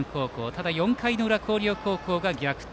ただ、４回の裏広陵高校が逆転。